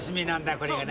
これがな。